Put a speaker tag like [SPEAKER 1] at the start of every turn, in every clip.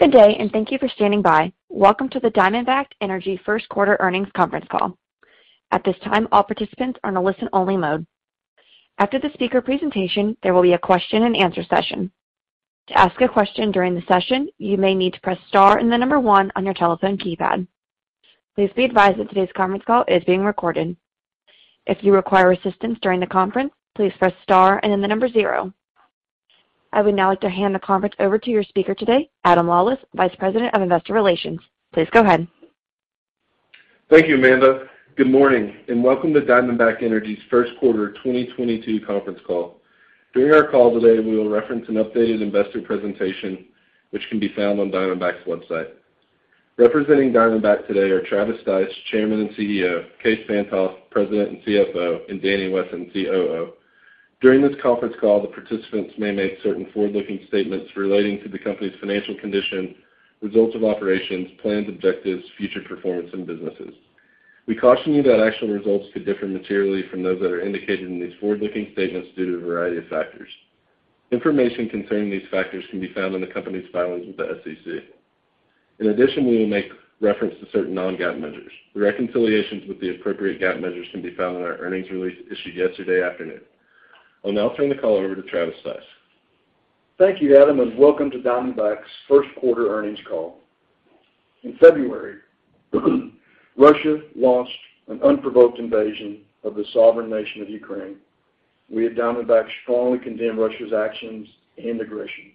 [SPEAKER 1] Good day, and thank you for standing by. Welcome to the Diamondback Energy first quarter earnings conference call. At this time, all participants are in a listen-only mode. After the speaker presentation, there will be a question-and-answer session. To ask a question during the session, you may need to press star and the number one on your telephone keypad. Please be advised that today's conference call is being recorded. If you require assistance during the conference, please press star and then the number zero. I would now like to hand the conference over to your speaker today, Adam Lawlis, Vice President of Investor Relations. Please go ahead.
[SPEAKER 2] Thank you, Amanda. Good morning, and welcome to Diamondback Energy's first quarter 2022 conference call. During our call today, we will reference an updated investor presentation which can be found on Diamondback's website. Representing Diamondback today are Travis Stice, Chairman and CEO, Kaes Van't Hof, President and CFO, and Danny Wesson, COO. During this conference call, the participants may make certain forward-looking statements relating to the company's financial condition, results of operations, plans, objectives, future performance, and businesses. We caution you that actual results could differ materially from those that are indicated in these forward-looking statements due to a variety of factors. Information concerning these factors can be found in the company's filings with the SEC. In addition, we will make reference to certain non-GAAP measures. The reconciliations with the appropriate GAAP measures can be found in our earnings release issued yesterday afternoon. I'll now turn the call over to Travis Stice.
[SPEAKER 3] Thank you, Adam, and welcome to Diamondback's first quarter earnings call. In February, Russia launched an unprovoked invasion of the sovereign nation of Ukraine. We at Diamondback strongly condemn Russia's actions and aggression.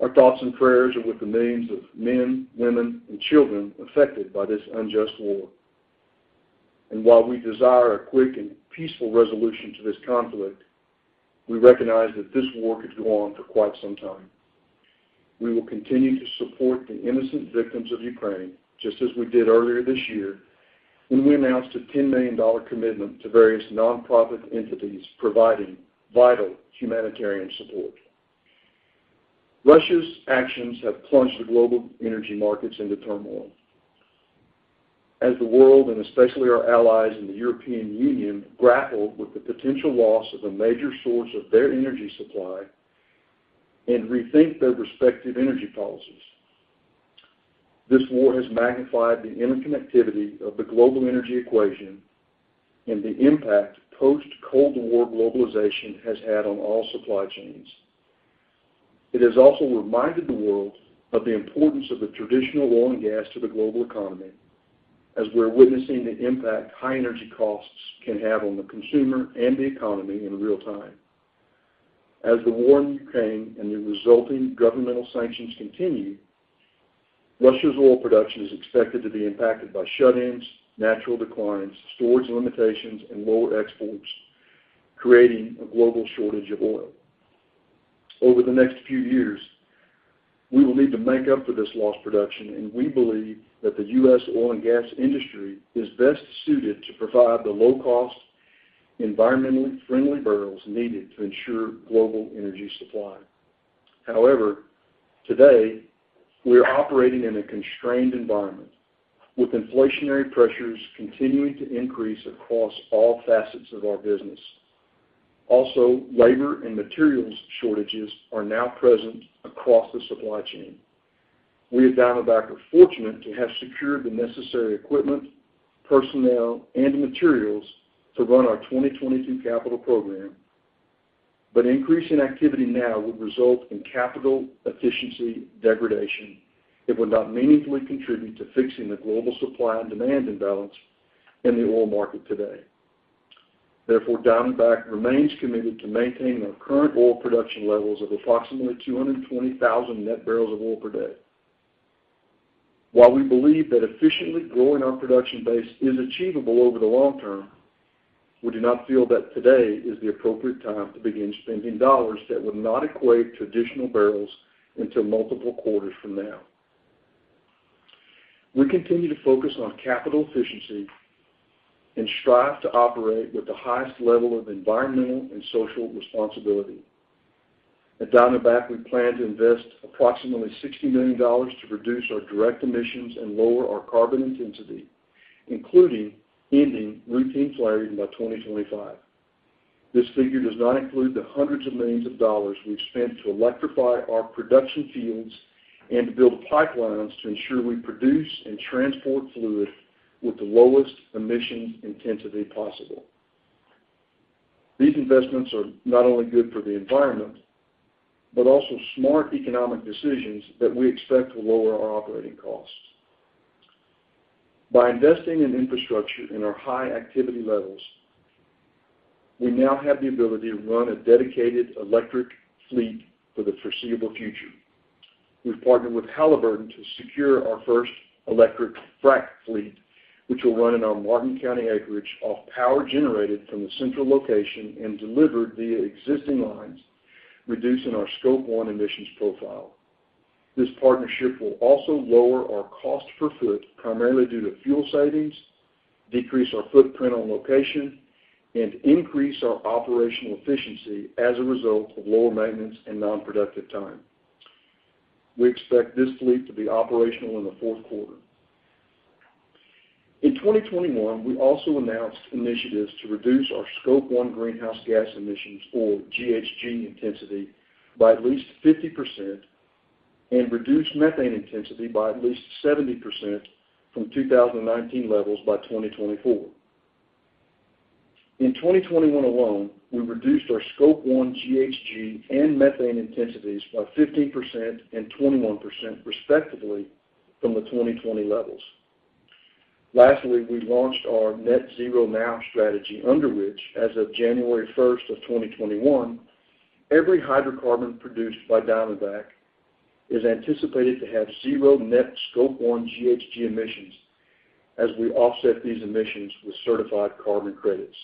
[SPEAKER 3] Our thoughts and prayers are with the millions of men, women, and children affected by this unjust war. While we desire a quick and peaceful resolution to this conflict, we recognize that this war could go on for quite some time. We will continue to support the innocent victims of Ukraine, just as we did earlier this year when we announced a $10 million commitment to various nonprofit entities providing vital humanitarian support. Russia's actions have plunged the global energy markets into turmoil. As the world, and especially our allies in the European Union, grapple with the potential loss of a major source of their energy supply and rethink their respective energy policies. This war has magnified the interconnectivity of the global energy equation and the impact post-Cold War globalization has had on all supply chains. It has also reminded the world of the importance of the traditional oil and gas to the global economy as we're witnessing the impact high energy costs can have on the consumer and the economy in real time. As the war in Ukraine and the resulting governmental sanctions continue, Russia's oil production is expected to be impacted by shut-ins, natural declines, storage limitations, and lower exports, creating a global shortage of oil. Over the next few years, we will need to make up for this lost production, and we believe that the U.S. oil and gas industry is best suited to provide the low-cost, environmentally friendly barrels needed to ensure global energy supply. However, today, we are operating in a constrained environment, with inflationary pressures continuing to increase across all facets of our business. Also, labor and materials shortages are now present across the supply chain. We at Diamondback are fortunate to have secured the necessary equipment, personnel, and materials to run our 2022 capital program, but increase in activity now would result in capital efficiency degradation. It would not meaningfully contribute to fixing the global supply and demand imbalance in the oil market today. Therefore, Diamondback remains committed to maintaining our current oil production levels of approximately 220,000 net barrels of oil per day. While we believe that efficiently growing our production base is achievable over the long-term, we do not feel that today is the appropriate time to begin spending dollars that would not equate to additional barrels until multiple quarters from now. We continue to focus on capital efficiency and strive to operate with the highest level of environmental and social responsibility. At Diamondback, we plan to invest approximately $60 million to reduce our direct emissions and lower our carbon intensity, including ending routine flaring by 2025. This figure does not include the hundreds of millions of dollars we've spent to electrify our production fields and to build pipelines to ensure we produce and transport fluid with the lowest emission intensity possible. These investments are not only good for the environment, but also smart economic decisions that we expect will lower our operating costs. By investing in infrastructure and our high activity levels, we now have the ability to run a dedicated electric fleet for the foreseeable future. We've partnered with Halliburton to secure our first electric frack fleet, which will run in our Martin County acreage off power generated from a central location and delivered via existing lines, reducing our Scope 1 emissions profile. This partnership will also lower our cost per foot, primarily due to fuel savings, decrease our footprint on location, and increase our operational efficiency as a result of lower maintenance and non-productive time. We expect this fleet to be operational in the fourth quarter. In 2021, we also announced initiatives to reduce our Scope 1 greenhouse gas emissions or GHG intensity by at least 50% and reduce methane intensity by at least 70% from 2019 levels by 2024. In 2021 alone, we reduced our Scope 1 GHG and methane intensities by 15% and 21% respectively from the 2020 levels. Lastly, we launched our Net Zero Now strategy under which as of January 1, 2021, every hydrocarbon produced by Diamondback is anticipated to have zero net Scope 1 GHG emissions as we offset these emissions with certified carbon credits.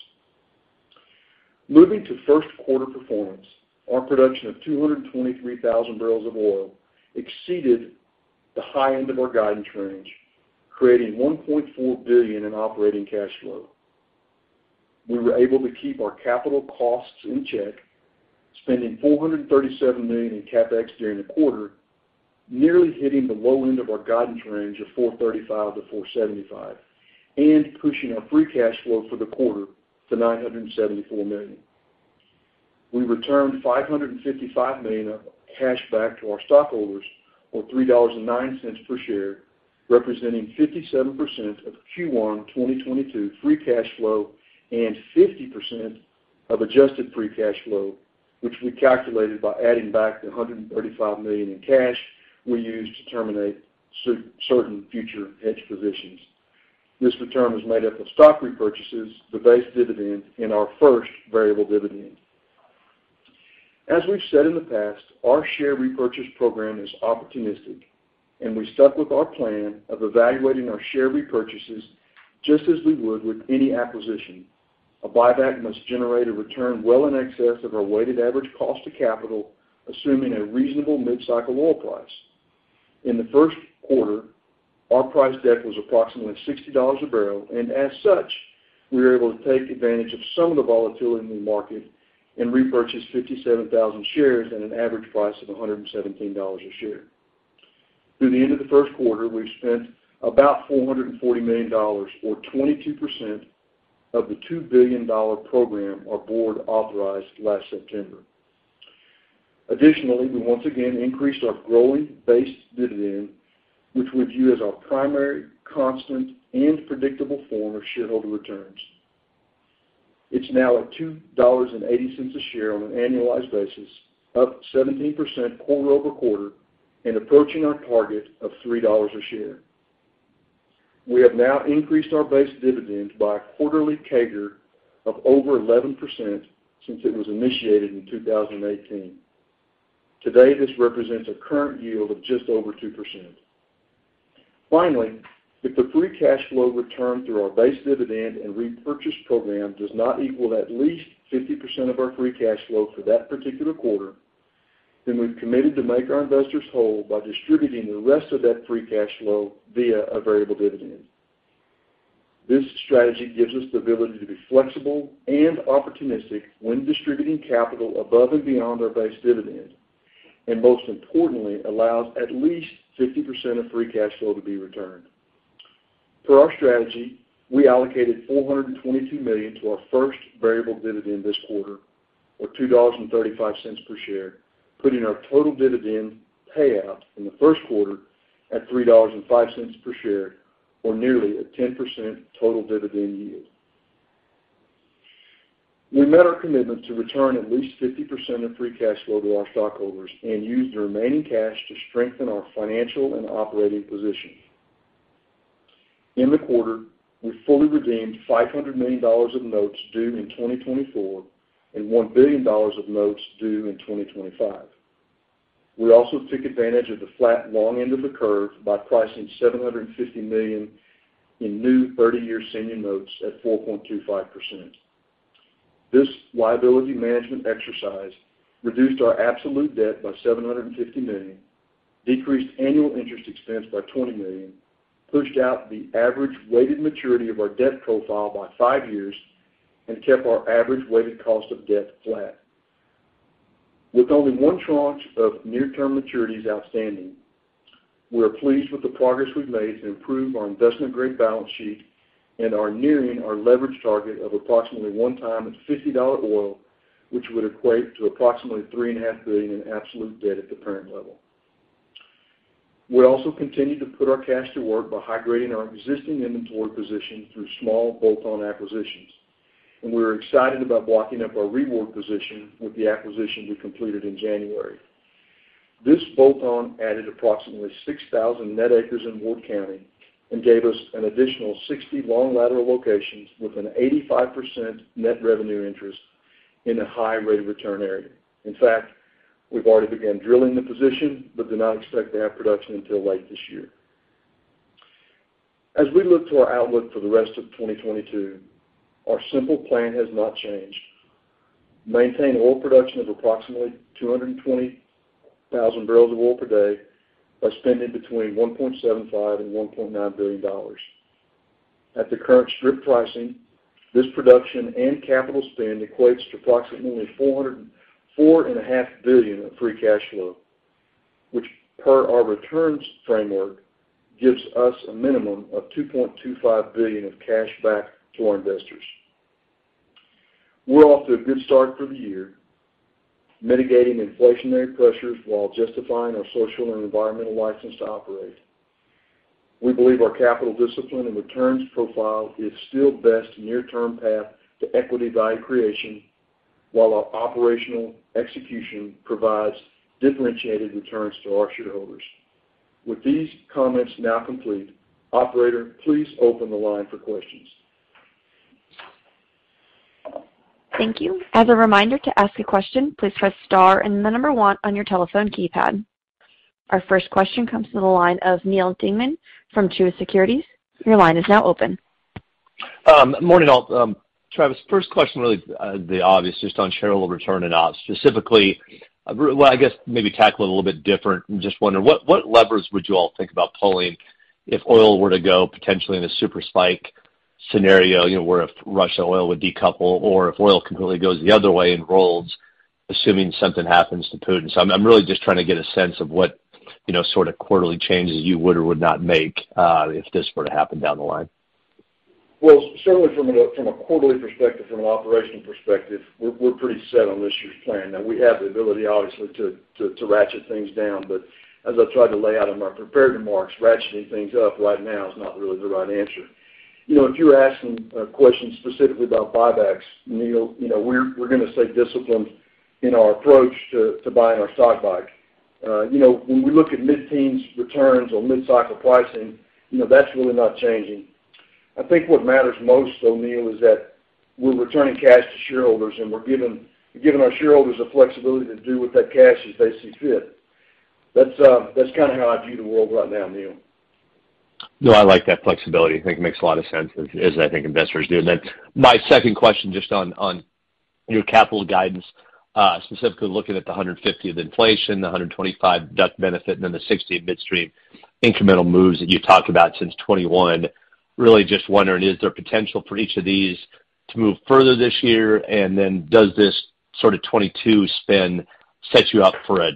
[SPEAKER 3] Moving to first quarter performance. Our production of 223,000 barrels of oil exceeded the high end of our guidance range, creating $1.4 billion in operating cash flow. We were able to keep our capital costs in check, spending $437 million in CapEx during the quarter, nearly hitting the low end of our guidance range of $435 million-$475 million and pushing our free cash flow for the quarter to $974 million. We returned $555 million of cash back to our stockholders, or $3.09 per share, representing 57% of Q1 2022 free cash flow and 50% of adjusted free cash flow, which we calculated by adding back the $135 million in cash we used to terminate certain future hedge positions. This return was made up of stock repurchases, the base dividend and our first variable dividend. We've said in the past, our share repurchase program is opportunistic, and we stuck with our plan of evaluating our share repurchases just as we would with any acquisition. A buyback must generate a return well in excess of our weighted average cost of capital, assuming a reasonable mid-cycle oil price. In the first quarter, our realized price was approximately $60 a barrel, and as such, we were able to take advantage of some of the volatility in the market and repurchase 57,000 shares at an average price of $117 a share. Through the end of the first quarter, we've spent about $440 million, or 22% of the $2 billion program our board authorized last September. Additionally, we once again increased our growing base dividend, which we view as our primary, constant and predictable form of shareholder returns. It's now at $2.80 a share on an annualized basis, up 17% quarter-over-quarter and approaching our target of $3 a share. We have now increased our base dividend by a quarterly CAGR of over 11% since it was initiated in 2018. Today, this represents a current yield of just over 2%. Finally, if the free cash flow return through our base dividend and repurchase program does not equal at least 50% of our free cash flow for that particular quarter, then we've committed to make our investors whole by distributing the rest of that free cash flow via a variable dividend. This strategy gives us the ability to be flexible and opportunistic when distributing capital above and beyond our base dividend, and most importantly, allows at least 50% of free cash flow to be returned. Per our strategy, we allocated $422 million to our first variable dividend this quarter, or $2.35 per share, putting our total dividend payout in the first quarter at $3.05 per share, or nearly a 10% total dividend yield. We met our commitment to return at least 50% of free cash flow to our stockholders and used the remaining cash to strengthen our financial and operating position. In the quarter, we fully redeemed $500 million of notes due in 2024 and $1 billion of notes due in 2025. We also took advantage of the flat long end of the curve by pricing $750 million in new 30-year senior notes at 4.25%. This liability management exercise reduced our absolute debt by $750 million, decreased annual interest expense by $20 million, pushed out the average weighted maturity of our debt profile by five years and kept our average weighted cost of debt flat. With only one tranche of near-term maturities outstanding, we're pleased with the progress we've made to improve our investment-grade balance sheet and are nearing our leverage target of approximately 1x at $50 oil, which would equate to approximately $3.5 billion in absolute debt at the current level. We also continued to put our cash to work by hydrating our existing inventory position through small bolt-on acquisitions, and we're excited about blocking up our Ward position with the acquisition we completed in January. This bolt-on added approximately 6,000 net acres in Ward County and gave us an additional 60 long lateral locations with an 85% net revenue interest in a high rate of return area. In fact, we've already began drilling the position, but do not expect to have production until late this year. As we look to our outlook for the rest of 2022, our simple plan has not changed. Maintain oil production of approximately 220,000 barrels of oil per day by spending between $1.75 billion and $1.9 billion. At the current strip pricing, this production and capital spend equates to approximately $4.5 billion of free cash flow, which per our returns framework gives us a minimum of $2.25 billion of cash back to our investors. We're off to a good start for the year, mitigating inflationary pressures while justifying our social and environmental license to operate. We believe our capital discipline and returns profile is still best near-term path to equity value creation, while our operational execution provides differentiated returns to our shareholders. With these comments now complete, operator, please open the line for questions.
[SPEAKER 1] Thank you. As a reminder to ask a question, please press star and one on your telephone keypad. Our first question comes to the line of Neal Dingmann from Truist Securities. Your line is now open.
[SPEAKER 4] Morning all. Travis, first question really, the obvious just on shareholder return and ops specifically. Well, I guess maybe tackle it a little bit different. Just wondering what levers would you all think about pulling if oil were to go potentially in a super spike scenario, you know, where if Russian oil would decouple or if oil completely goes the other way and rolls, assuming something happens to Putin? I'm really just trying to get a sense of what, you know, sort of quarterly changes you would or would not make, if this were to happen down the line.
[SPEAKER 3] Well, certainly from a quarterly perspective, from an operational perspective, we're pretty set on this year's plan. Now we have the ability, obviously to ratchet things down, but as I tried to lay out in my prepared remarks, ratcheting things up right now is not really the right answer. You know, if you're asking questions specifically about buybacks, Neal, you know, we're gonna stay disciplined in our approach to buying our stock back. You know, when we look at mid-teens returns or mid-cycle pricing, you know, that's really not changing. I think what matters most though, Neal, is that we're returning cash to shareholders, and we're giving our shareholders the flexibility to do with that cash as they see fit. That's kind of how I view the world right now, Neal.
[SPEAKER 4] No, I like that flexibility. I think it makes a lot of sense as I think investors do. My second question, just on your capital guidance, specifically looking at the $150 of inflation, the $125 DUC benefit, and then the $60 midstream incremental moves that you've talked about since 2021. Really just wondering, is there potential for each of these to move further this year? Does this sort of 2022 spin set you up for a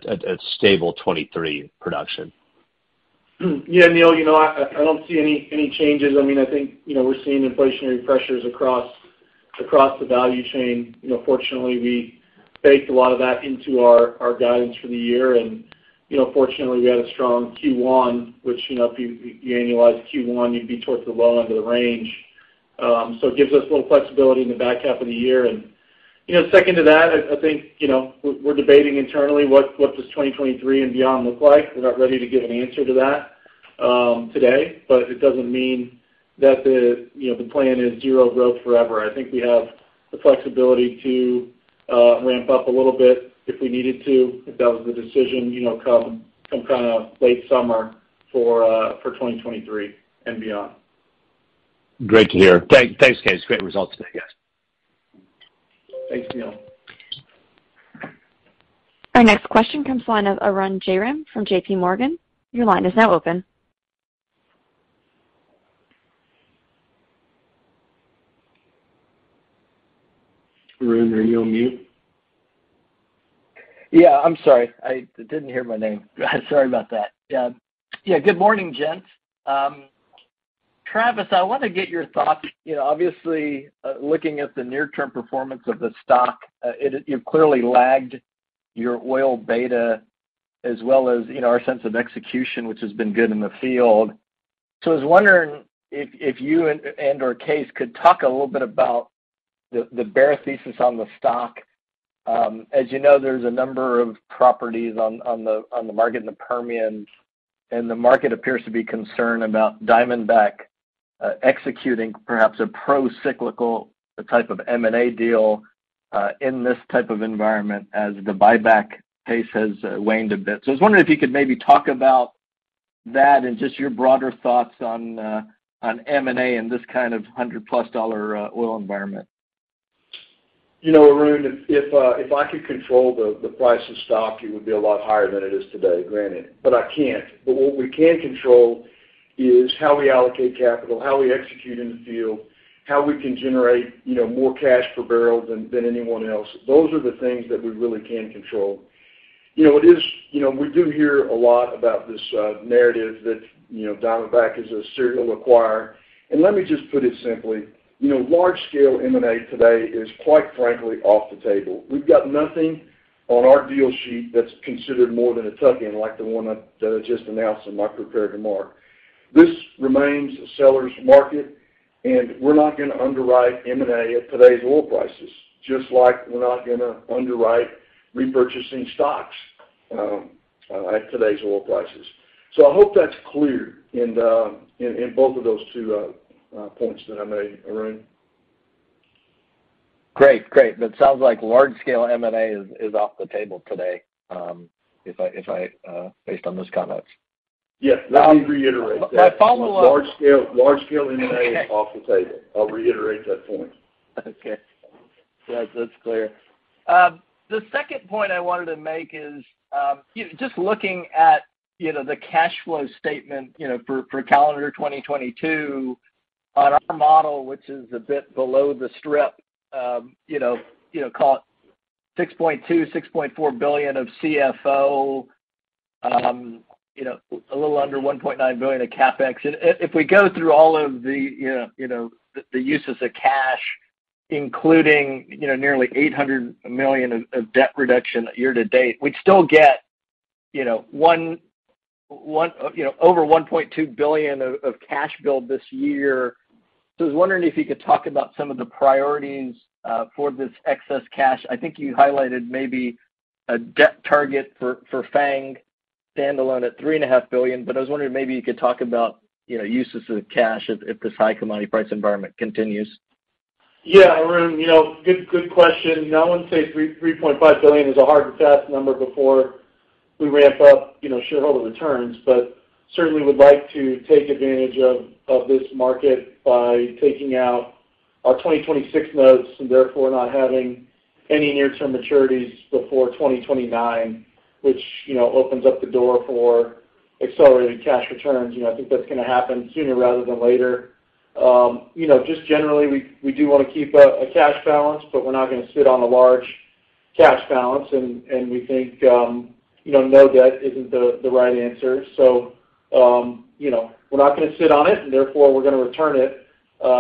[SPEAKER 4] stable 2023 production?
[SPEAKER 5] Yeah, Neal, you know, I don't see any changes. I mean, I think, you know, we're seeing inflationary pressures across the value chain. You know, fortunately, we baked a lot of that into our guidance for the year. You know, fortunately we had a strong Q1, which, you know, if you annualize Q1, you'd be towards the well under the range. So it gives us a little flexibility in the back half of the year. You know, second to that, I think, you know, we're debating internally what does 2023 and beyond look like? We're not ready to give an answer to that today, but it doesn't mean that the plan is zero growth forever. I think we have the flexibility to ramp up a little bit if we needed to, if that was the decision, you know, come some kind of late summer for 2023 and beyond.
[SPEAKER 4] Great to hear. Thanks, Kaes Van't Hof. Great results today, guys.
[SPEAKER 5] Thanks, Neal.
[SPEAKER 1] Our next question comes from the line of Arun Jayaram from JPMorgan. Your line is now open.
[SPEAKER 3] Arun, are you on mute?
[SPEAKER 6] Yeah. I'm sorry. I didn't hear my name. Sorry about that. Yeah, good morning, gents. Travis, I wanna get your thoughts. You know, obviously, looking at the near-term performance of the stock, you've clearly lagged your oil beta as well as, you know, our sense of execution, which has been good in the field. I was wondering if you and/or Kaes could talk a little bit about the bear thesis on the stock. As you know, there's a number of properties on the market in the Permian, and the market appears to be concerned about Diamondback executing perhaps a pro-cyclical type of M&A deal in this type of environment as the buyback pace has waned a bit. I was wondering if you could maybe talk about that and just your broader thoughts on M&A in this kind of $100+ oil environment.
[SPEAKER 3] You know, Arun, if I could control the price of stock, it would be a lot higher than it is today, granted, but I can't. What we can control is how we allocate capital, how we execute in the field, how we can generate, you know, more cash per barrel than anyone else. Those are the things that we really can control. You know, it is. You know, we do hear a lot about this narrative that, you know, Diamondback is a serial acquirer. Let me just put it simply. You know, large scale M&A today is, quite frankly, off the table. We've got nothing on our deal sheet that's considered more than a tuck-in, like the one that I just announced in my prepared remark. This remains a seller's market, and we're not gonna underwrite M&A at today's oil prices, just like we're not gonna underwrite repurchasing stocks at today's oil prices. I hope that's clear in both of those two points that I made, Arun.
[SPEAKER 6] Great. That sounds like large-scale M&A is off the table today, if I based on those comments.
[SPEAKER 3] Yes. Let me reiterate that.
[SPEAKER 6] My follow-up.
[SPEAKER 3] Large scale M&A is off the table. I'll reiterate that point.
[SPEAKER 6] Okay. Yes, that's clear. The second point I wanted to make is, you know, just looking at, you know, the cash flow statement, you know, for calendar 2022. On our model, which is a bit below the strip, you know, call it $6.2 billion-$6.4 billion of CFO, you know, a little under $1.9 billion of CapEx. If we go through all of the, you know, the uses of cash, including, you know, nearly $800 million of debt reduction year-to-date, we'd still get, you know, over $1.2 billion of cash build this year. I was wondering if you could talk about some of the priorities for this excess cash. I think you highlighted maybe a debt target for FANG standalone at $3.5 billion. I was wondering if maybe you could talk about, you know, uses of cash if this high commodity price environment continues.
[SPEAKER 5] Yeah, Arun, you know, good question. You know, I wouldn't say $3.5 billion is a hard and fast number before we ramp up, you know, shareholder returns. Certainly would like to take advantage of this market by taking out our 2026 notes, and therefore not having any near-term maturities before 2029, which, you know, opens up the door for accelerated cash returns. You know, I think that's gonna happen sooner rather than later. You know, just generally, we do want to keep a cash balance, but we're not gonna sit on a large cash balance. We think, you know, no debt isn't the right answer. You know, we're not gonna sit on it, and therefore, we're gonna return it.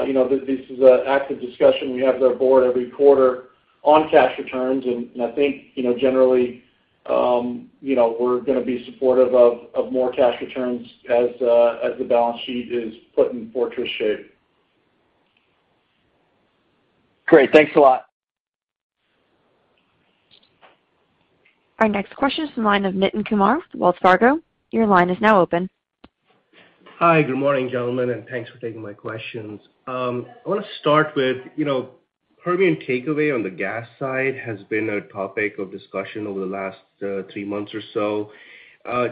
[SPEAKER 5] You know, this is an active discussion we have with our board every quarter on cash returns. I think, you know, generally, you know, we're gonna be supportive of more cash returns as the balance sheet is put in fortress shape.
[SPEAKER 6] Great. Thanks a lot.
[SPEAKER 1] Our next question is from the line of Nitin Kumar with Wells Fargo. Your line is now open.
[SPEAKER 7] Hi, good morning, gentlemen, and thanks for taking my questions. I want to start with, you know, Permian takeaway on the gas side has been a topic of discussion over the last three months or so.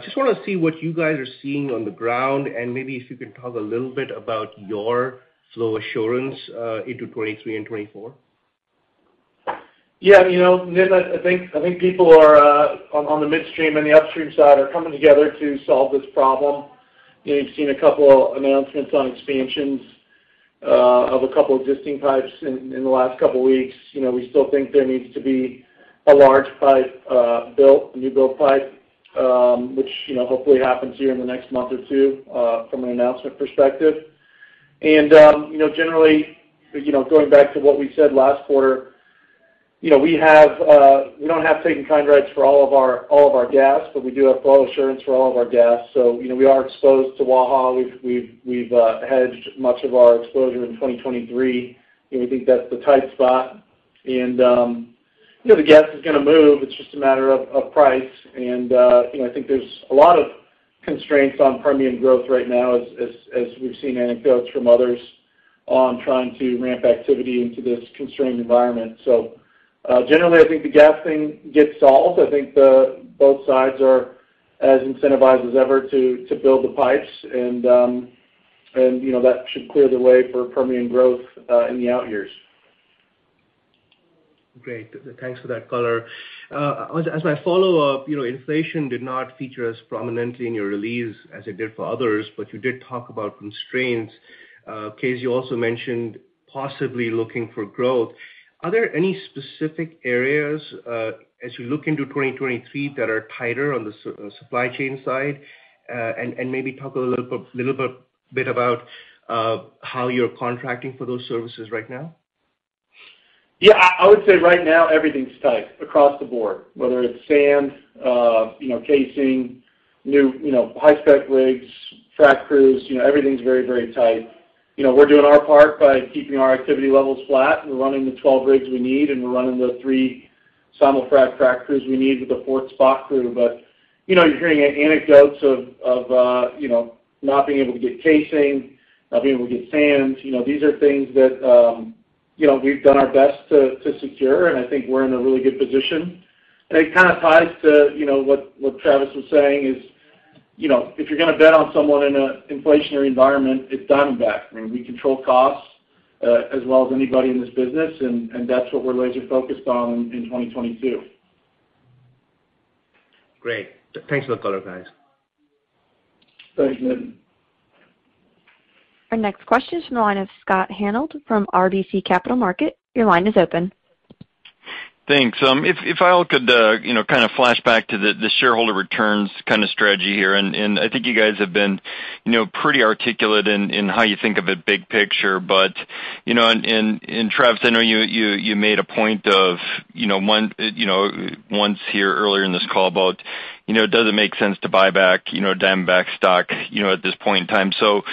[SPEAKER 7] Just wanna see what you guys are seeing on the ground, and maybe if you can talk a little bit about your flow assurance into 2023 and 2024.
[SPEAKER 5] Yeah, you know, Nitin, I think people are on the midstream and the upstream side are coming together to solve this problem. You know, you've seen a couple announcements on expansions of a couple existing pipes in the last couple weeks. You know, we still think there needs to be a large pipe built, a new built pipe, which, you know, hopefully happens here in the next month or two from an announcement perspective. You know, generally, going back to what we said last quarter, you know, we don't have take-in-kind rights for all of our gas, but we do have flow assurance for all of our gas. You know, we are exposed to WAHA. We've hedged much of our exposure in 2023, and we think that's the tight spot. You know, the gas is gonna move. It's just a matter of price. You know, I think there's a lot of constraints on Permian growth right now, as we've seen anecdotes from others on trying to ramp activity into this constrained environment. Generally, I think the gas thing gets solved. I think both sides are as incentivized as ever to build the pipes and, you know, that should clear the way for Permian growth in the out years.
[SPEAKER 7] Great. Thanks for that color. As my follow-up, you know, inflation did not feature as prominently in your release as it did for others, but you did talk about constraints. Kaes, you also mentioned possibly looking for growth. Are there any specific areas, as you look into 2023 that are tighter on the supply chain side? Maybe talk a little bit about how you're contracting for those services right now.
[SPEAKER 5] Yeah, I would say right now everything's tight across the board, whether it's sand, you know, casing, new, you know, high-spec rigs, frac crews. You know, everything's very, very tight. You know, we're doing our part by keeping our activity levels flat. We're running the 12 rigs we need, and we're running the three simul-frac crews we need with a fourth spot crew. But, you know, you're hearing anecdotes of, you know, not being able to get casing, not being able to get sands. You know, these are things that, you know, we've done our best to secure, and I think we're in a really good position. It kind of ties to, you know, what Travis was saying is, you know, if you're gonna bet on someone in a inflationary environment, it's Diamondback. I mean, we control costs as well as anybody in this business, and that's what we're laser focused on in 2022.
[SPEAKER 7] Great. Thanks for the color, guys.
[SPEAKER 5] Thanks, Nitin.
[SPEAKER 1] Our next question is from the line of Scott Hanold from RBC Capital Markets. Your line is open.
[SPEAKER 8] Thanks. If I could, you know, kind of flash back to the shareholder returns kind of strategy here, and I think you guys have been, you know, pretty articulate in how you think of it big picture. You know, and Travis, I know you made a point of, you know, mention once here earlier in this call about, you know, does it make sense to buy back, you know, Diamondback stock, you know, at this point in time? You know, how.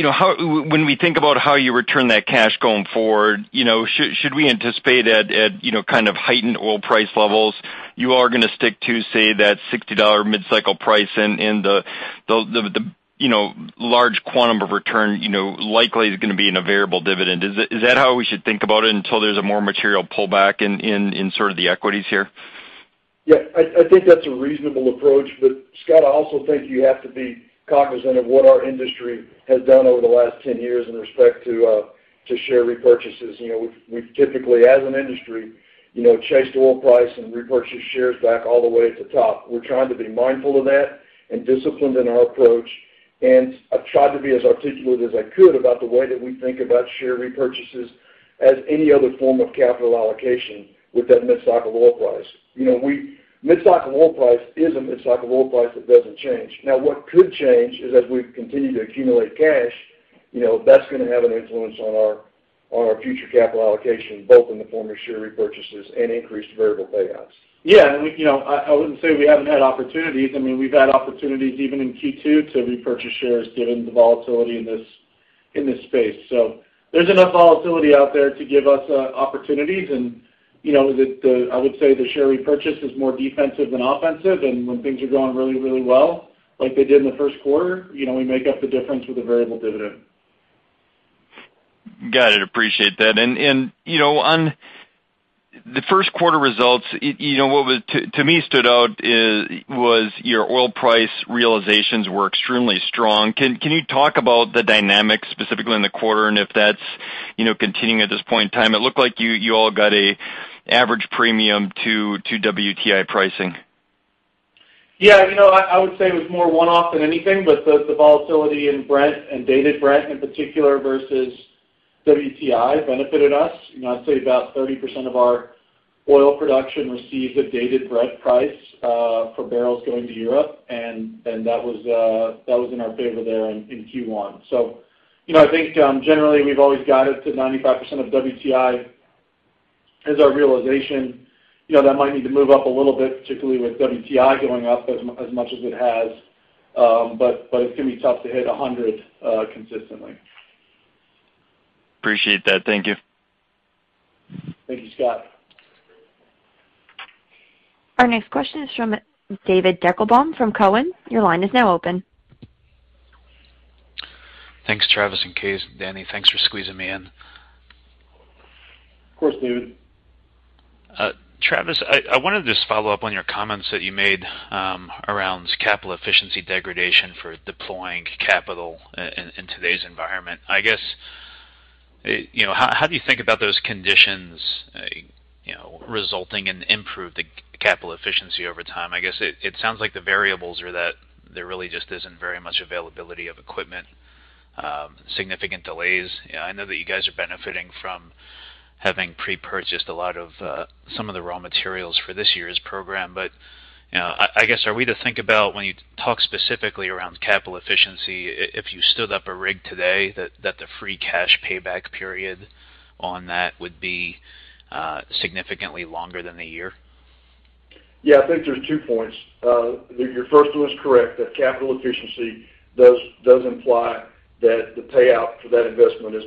[SPEAKER 8] When we think about how you return that cash going forward, you know, should we anticipate at, you know, kind of heightened oil price levels, you are gonna stick to, say, that $60 mid-cycle price and the, you know, large quantum of return, you know, likely is gonna be in a variable dividend? Is that how we should think about it until there's a more material pullback in sort of the equities here?
[SPEAKER 3] Yeah. I think that's a reasonable approach. Scott, I also think you have to be cognizant of what our industry has done over the last 10 years in respect to, On share repurchases. You know, we've typically, as an industry, you know, chased oil price and repurchased shares back all the way at the top. We're trying to be mindful of that and disciplined in our approach, and I've tried to be as articulate as I could about the way that we think about share repurchases as any other form of capital allocation with that mid-cycle oil price. You know, mid-cycle oil price is a mid-cycle oil price that doesn't change. Now, what could change is, as we continue to accumulate cash, you know, that's gonna have an influence on our future capital allocation, both in the form of share repurchases and increased variable payouts.
[SPEAKER 5] Yeah. We, you know, I wouldn't say we haven't had opportunities. I mean, we've had opportunities even in Q2 to repurchase shares given the volatility in this space. There's enough volatility out there to give us opportunities and, you know, the share repurchase is more defensive than offensive. When things are going really, really well, like they did in the first quarter, you know, we make up the difference with a variable dividend.
[SPEAKER 8] Got it. Appreciate that. You know, on the first quarter results, you know, what stood out to me was your oil price realizations were extremely strong. Can you talk about the dynamics specifically in the quarter and if that's, you know, continuing at this point in time? It looked like you all got an average premium to WTI pricing.
[SPEAKER 5] Yeah. You know, I would say it was more one-off than anything, but the volatility in Brent and dated Brent in particular versus WTI benefited us. You know, I'd say about 30% of our oil production receives a dated Brent price for barrels going to Europe. That was in our favor there in Q1. You know, I think generally, we've always guided to 95% of WTI as our realization. You know, that might need to move up a little bit, particularly with WTI going up as much as it has. It's gonna be tough to hit 100 consistently.
[SPEAKER 8] Appreciate that. Thank you.
[SPEAKER 5] Thank you, Scott.
[SPEAKER 1] Our next question is from David Deckelbaum from Cowen. Your line is now open.
[SPEAKER 9] Thanks, Travis and Kaes. Danny, thanks for squeezing me in.
[SPEAKER 3] Of course, David.
[SPEAKER 9] Travis, I wanted to just follow up on your comments that you made, around capital efficiency degradation for deploying capital in today's environment. I guess, you know, how do you think about those conditions, you know, resulting in improved capital efficiency over time? I guess it sounds like the variables are that there really just isn't very much availability of equipment, significant delays. You know, I know that you guys are benefiting from having pre-purchased a lot of, some of the raw materials for this year's program. You know, I guess, are we to think about when you talk specifically around capital efficiency, if you stood up a rig today that the free cash payback period on that would be, significantly longer than a year?
[SPEAKER 3] Yeah. I think there's two points. Your first one is correct, that capital efficiency does imply that the payout for that investment is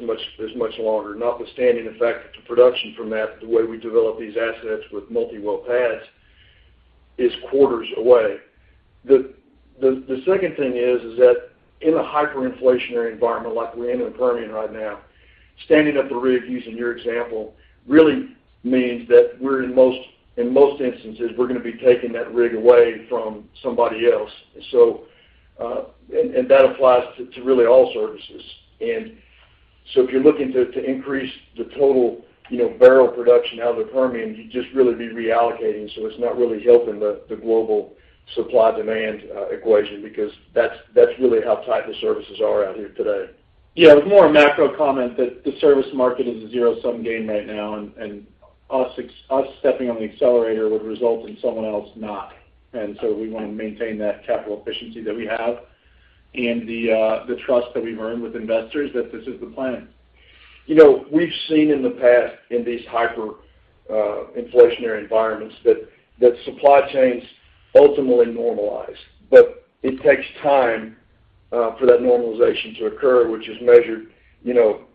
[SPEAKER 3] much longer, notwithstanding the fact that the production from that the way we develop these assets with multi-well pads is quarters away. The second thing is that in a hyperinflationary environment like we're in in the Permian right now, standing up a rig, using your example, really means that we're in most instances we're gonna be taking that rig away from somebody else. That applies to really all services. If you're looking to increase the total, you know, barrel production out of the Permian, you'd just really be reallocating, so it's not really helping the global supply-demand equation because that's really how tight the services are out here today.
[SPEAKER 5] Yeah. It was more a macro comment that the service market is a zero-sum game right now, and us ex-US stepping on the accelerator would result in someone else not. We wanna maintain that capital efficiency that we have and the trust that we've earned with investors that this is the plan.
[SPEAKER 3] You know, we've seen in the past, in these hyperinflationary environments, that supply chains ultimately normalize. It takes time for that normalization to occur, which is measured, you know,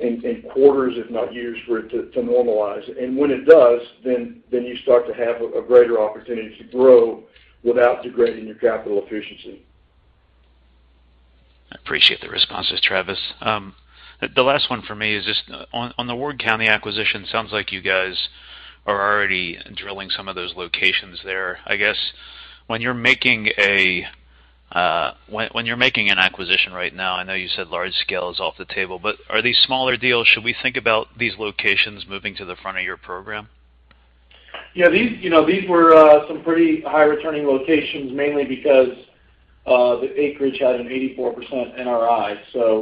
[SPEAKER 3] in quarters, if not years, for it to normalize. When it does, then you start to have a greater opportunity to grow without degrading your capital efficiency.
[SPEAKER 9] I appreciate the responses, Travis. The last one for me is just on the Ward County acquisition. Sounds like you guys are already drilling some of those locations there. I guess when you're making an acquisition right now, I know you said large scale is off the table, but are these smaller deals? Should we think about these locations moving to the front of your program?
[SPEAKER 5] Yeah. These, you know, these were some pretty high returning locations, mainly because the acreage had an 84% NRI.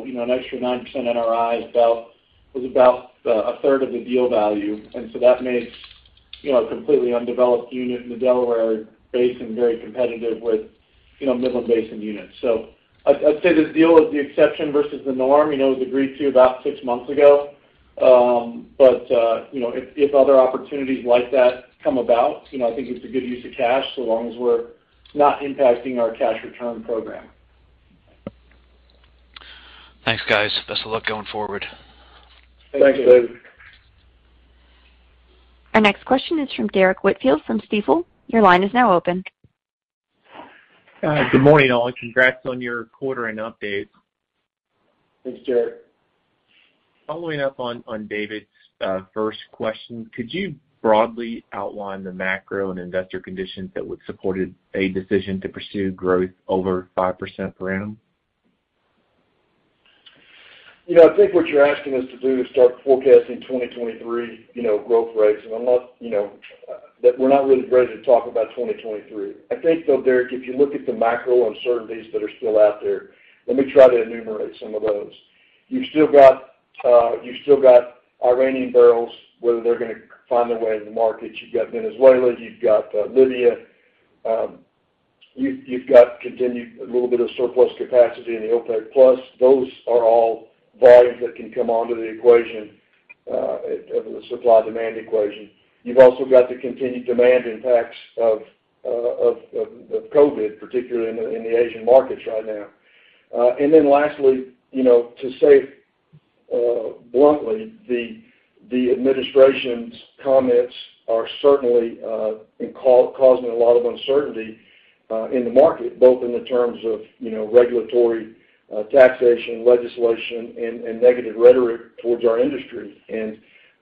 [SPEAKER 5] You know, an extra 9% NRI was about a third of the deal value. That made, you know, a completely undeveloped unit in the Delaware Basin very competitive with, you know, Midland Basin units. I'd say this deal is the exception versus the norm. You know, it was agreed to about six months ago. You know, if other opportunities like that come about, you know, I think it's a good use of cash, so long as we're not impacting our cash return program.
[SPEAKER 9] Thanks, guys. Best of luck going forward.
[SPEAKER 3] Thanks, David.
[SPEAKER 5] Thanks, David.
[SPEAKER 1] Our next question is from Derrick Whitfield from Stifel. Your line is now open.
[SPEAKER 10] Good morning, all. Congrats on your quarter and updates.
[SPEAKER 3] Thanks, Derrick.
[SPEAKER 10] Following up on David's first question, could you broadly outline the macro and investor conditions that would support a decision to pursue growth over 5% per annum?
[SPEAKER 3] You know, I think what you're asking us to do is start forecasting 2023, you know, growth rates. I'm not, you know, that we're not really ready to talk about 2023. I think, though, Derrick, if you look at the macro uncertainties that are still out there, let me try to enumerate some of those. You've still got Iranian barrels, whether they're gonna find their way in the market. You've got Venezuela. You've got Libya. You've got continued a little bit of surplus capacity in the OPEC. Plus, those are all volumes that can come onto the equation of the supply-demand equation. You've also got the continued demand impacts of COVID, particularly in the Asian markets right now. Then lastly, you know, to say bluntly, the administration's comments are certainly causing a lot of uncertainty in the market, both in terms of, you know, regulatory taxation, legislation, and negative rhetoric towards our industry.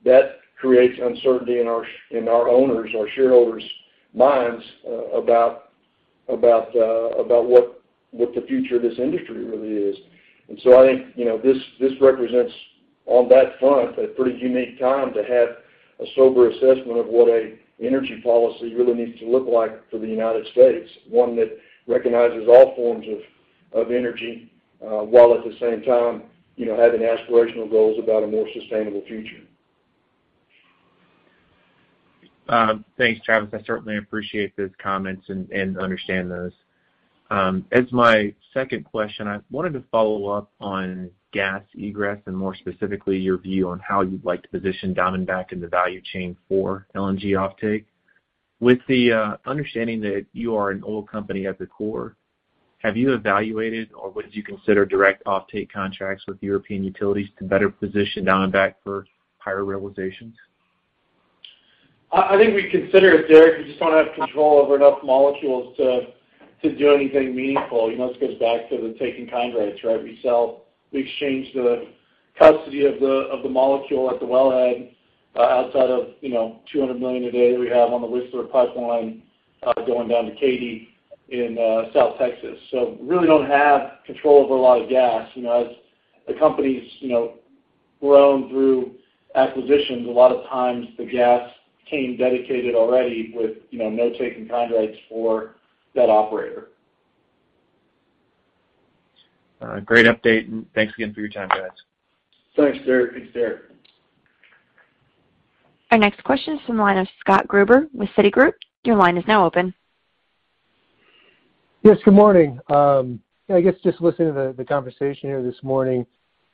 [SPEAKER 3] That creates uncertainty in our owners, our shareholders' minds about what the future of this industry really is. I think, you know, this represents, on that front, a pretty unique time to have a sober assessment of what a energy policy really needs to look like for the United States, one that recognizes all forms of energy while at the same time, you know, having aspirational goals about a more sustainable future.
[SPEAKER 10] Thanks, Travis. I certainly appreciate those comments and understand those. As my second question, I wanted to follow up on gas egress and more specifically your view on how you'd like to position Diamondback in the value chain for LNG offtake. With the understanding that you are an oil company at the core, have you evaluated or would you consider direct offtake contracts with European utilities to better position Diamondback for higher realizations?
[SPEAKER 5] I think we consider it, Derrick. We just don't have control over enough molecules to do anything meaningful. You know, this goes back to the take-in-kind rates, right? We exchange the custody of the molecule at the wellhead, outside of you know 200 million a day we have on the Whistler Pipeline going down to Katy in South Texas. Really don't have control over a lot of gas. You know, as the company's grown through acquisitions, a lot of times the gas came dedicated already with you know no take-in-kind rates for that operator.
[SPEAKER 10] Great update, and thanks again for your time, guys.
[SPEAKER 3] Thanks, Derrick.
[SPEAKER 5] Thanks, Derrick.
[SPEAKER 1] Our next question is from the line of Scott Gruber with Citigroup. Your line is now open.
[SPEAKER 11] Yes, good morning. I guess just listening to the conversation here this morning,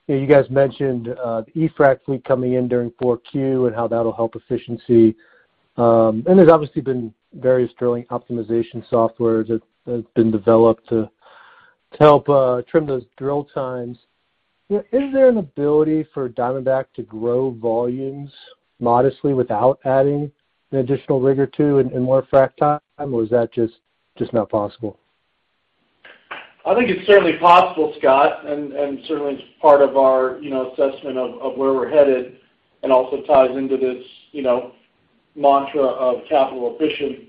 [SPEAKER 11] you guys mentioned the e-frac fleet coming in during Q4 and how that'll help efficiency. There's obviously been various drilling optimization software that have been developed to help trim those drill times. Is there an ability for Diamondback to grow volumes modestly without adding an additional rig or two and more frac time, or is that just not possible?
[SPEAKER 5] I think it's certainly possible, Scott, and certainly it's part of our, you know, assessment of where we're headed and also ties into this, you know, mantra of capital efficient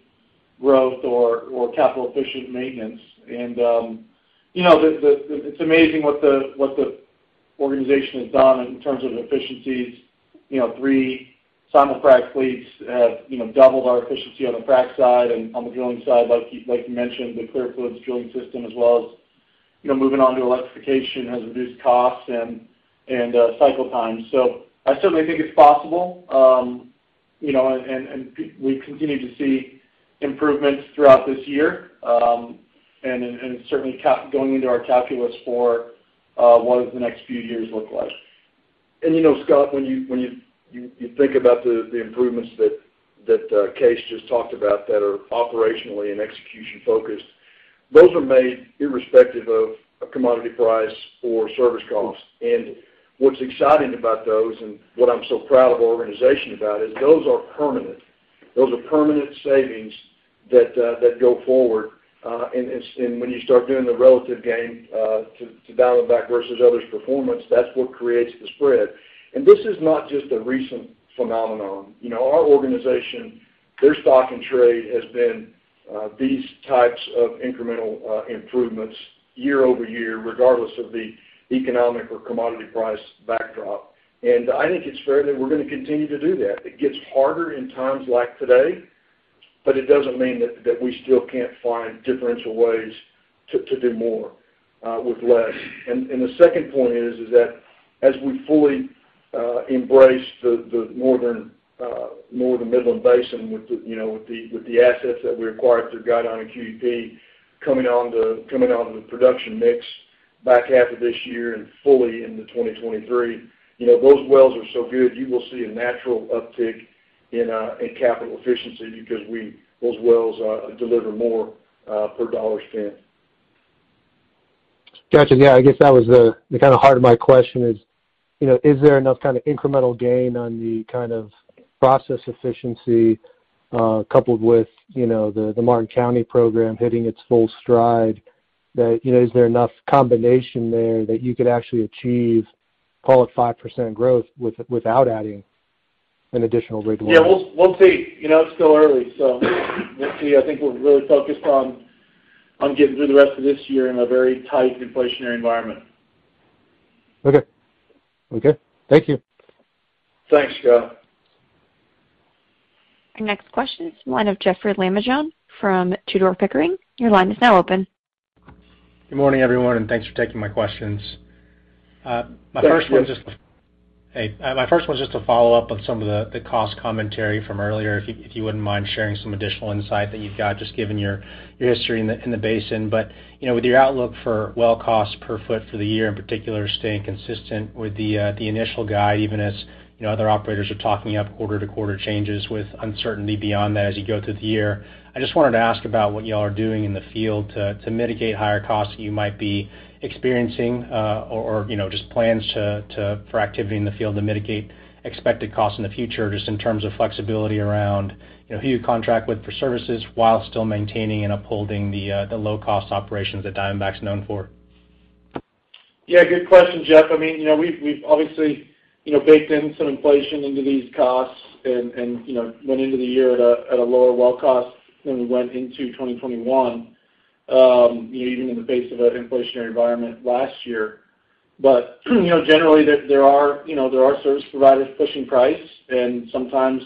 [SPEAKER 5] growth or capital efficient maintenance. It's amazing what the organization has done in terms of efficiencies. You know, three simul-frac fleets have, you know, doubled our efficiency on the frac side and on the drilling side. Like you mentioned, the clear fluid drilling system, as well as, you know, moving on to electrification has reduced costs and cycle times. So I certainly think it's possible, you know, and we continue to see improvements throughout this year and certainly going into our calculus for what does the next few years look like.
[SPEAKER 3] You know, Scott, when you think about the improvements that Kaes Van't Hof just talked about that are operationally and execution focused, those are made irrespective of a commodity price or service cost. What's exciting about those and what I'm so proud of our organization about is those are permanent. Those are permanent savings that go forward. When you start doing the relative gain to Diamondback versus others' performance, that's what creates the spread. This is not just a recent phenomenon. You know, our organization, their stock-in-trade has been these types of incremental improvements year-over-year, regardless of the economic or commodity price backdrop. I think it's fair that we're gonna continue to do that. It gets harder in times like today, but it doesn't mean that we still can't find differential ways to do more with less. The second point is that as we fully embrace the Northern Midland Basin with the assets that we acquired through Guidon and QEP coming onto the production mix back half of this year and fully into 2023, those wells are so good, you will see a natural uptick in capital efficiency because those wells deliver more per dollar spent.
[SPEAKER 11] Got you. Yeah, I guess that was the kind of heart of my question is, you know, is there enough kind of incremental gain on the kind of process efficiency, coupled with, you know, the Martin County program hitting its full stride? That, you know, is there enough combination there that you could actually achieve, call it 5% growth with-without adding an additional rig line?
[SPEAKER 5] Yeah, we'll see. You know, it's still early, so we'll see. I think we're really focused on getting through the rest of this year in a very tight inflationary environment.
[SPEAKER 11] Okay. Thank you.
[SPEAKER 5] Thanks, Scott.
[SPEAKER 1] Our next question is from the line of Jeanine Wai from Tudor, Pickering. Your line is now open.
[SPEAKER 12] Good morning, everyone, and thanks for taking my questions. My first one just.
[SPEAKER 5] Yes.
[SPEAKER 12] Hey. My first one's just a follow-up on some of the cost commentary from earlier, if you wouldn't mind sharing some additional insight that you've got, just given your history in the basin. You know, with your outlook for well costs per foot for the year, in particular, staying consistent with the initial guide, even as, you know, other operators are talking up quarter-to-quarter changes with uncertainty beyond that as you go through the year. I just wanted to ask about what y'all are doing in the field to mitigate higher costs that you might be experiencing, or you know, just plans for activity in the field to mitigate expected costs in the future, just in terms of flexibility around you know, who you contract with for services while still maintaining and upholding the low-cost operations that Diamondback's known for.
[SPEAKER 5] Yeah, good question, Jeff. I mean, you know, we've obviously, you know, baked in some inflation into these costs and, you know, went into the year at a lower well cost than we went into 2021, you know, even in the face of an inflationary environment last year. You know, generally there are service providers pushing price, and sometimes,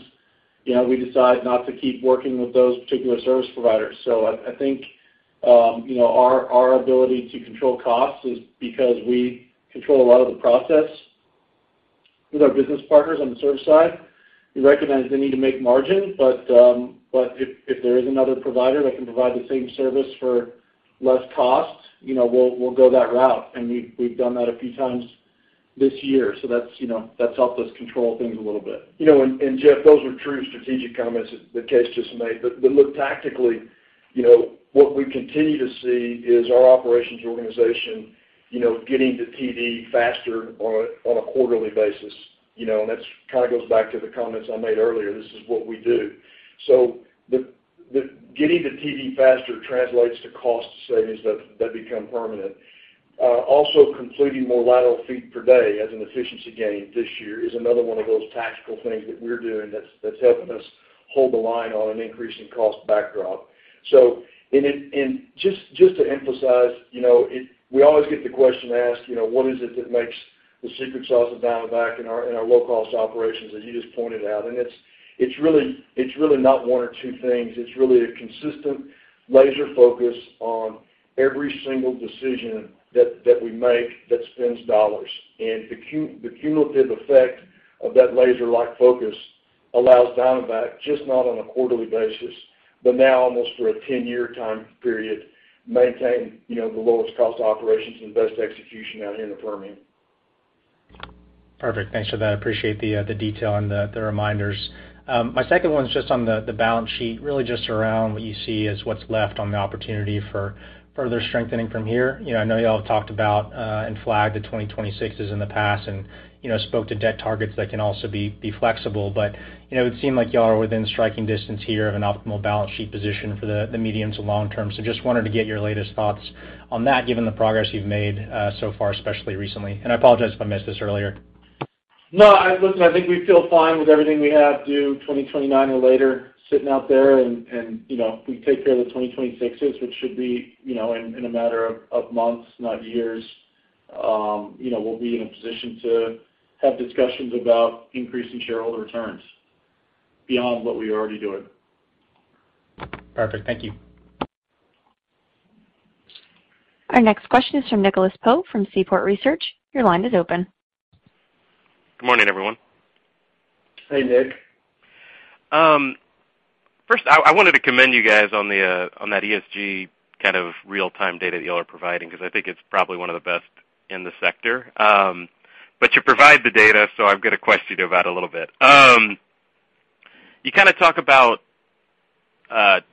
[SPEAKER 5] you know, we decide not to keep working with those particular service providers. I think, you know, our ability to control costs is because we control a lot of the process with our business partners on the service side. We recognize they need to make margin, but if there is another provider that can provide the same service for less cost, you know, we'll go that route, and we've done that a few times this year. That's, you know, that's helped us control things a little bit.
[SPEAKER 3] You know and Jeff, those are true strategic comments that Kaes Van't Hof just made. Look tactically, you know, what we continue to see is our operations organization, you know, getting to TD faster on a quarterly basis, you know, and that's kind of goes back to the comments I made earlier. This is what we do. The getting to TD faster translates to cost savings that become permanent. Also completing more lateral feet per day as an efficiency gain this year is another one of those tactical things that we're doing that's helping us hold the line on an increasing cost backdrop. Just to emphasize, you know, we always get the question asked, you know, what is it that makes the secret sauce of Diamondback in our low-cost operations that you just pointed out? It's really not one or two things. It's really a consistent laser focus on every single decision that we make that spends dollars. The cumulative effect of that laser-like focus allows Diamondback not just on a quarterly basis, but now almost through a 10-year time period maintain, you know, the lowest cost operations and best execution out here in the Permian.
[SPEAKER 12] Perfect. Thanks for that. I appreciate the detail and the reminders. My second one's just on the balance sheet, really just around what you see as what's left on the opportunity for further strengthening from here. You know, I know y'all have talked about and flagged the 2026s in the past and, you know, spoke to debt targets that can also be flexible. You know, it would seem like y'all are within striking distance here of an optimal balance sheet position for the medium to long-term. Just wanted to get your latest thoughts on that, given the progress you've made so far, especially recently, and I apologize if I missed this earlier.
[SPEAKER 5] No. Listen, I think we feel fine with everything we have due 2029 or later sitting out there and, you know, if we take care of the 2026s, which should be, you know, in a matter of months, not years, you know, we'll be in a position to have discussions about increasing shareholder returns beyond what we're already doing.
[SPEAKER 12] Perfect. Thank you.
[SPEAKER 1] Our next question is from Nicholas Pope from Seaport Research Partners. Your line is open.
[SPEAKER 13] Good morning, everyone.
[SPEAKER 3] Hey, Nick.
[SPEAKER 13] First, I wanted to commend you guys on that ESG kind of real-time data that y'all are providing, because I think it's probably one of the best in the sector. You provide the data, so I've got a question about a little bit. You kind of talk about kind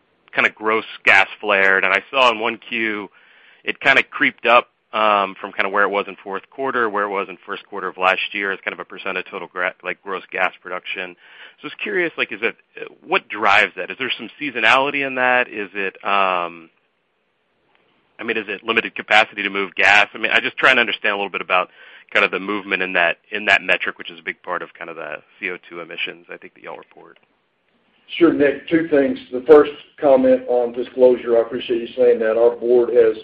[SPEAKER 13] of gross gas flared, and I saw in one Q, it kind of crept up from kind of where it was in fourth quarter, where it was in first quarter of last year as kind of a percent of total like gross gas production. I was curious, like, is that what drives that? Is there some seasonality in that? Is it I mean, is it limited capacity to move gas? I mean, I'm just trying to understand a little bit about kind of the movement in that, in that metric, which is a big part of kind of the CO2 emissions, I think, that y'all report.
[SPEAKER 3] Sure, Nick. Two things. The first comment on disclosure, I appreciate you saying that. Our board has